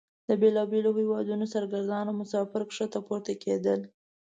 د بیلابیلو هیوادونو سرګردانه مسافر ښکته پورته کیدل.